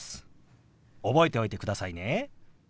覚えておいてくださいね。